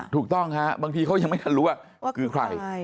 ถูกต้องฮะบางทีเขายังไม่ทันรู้ว่าคือใคร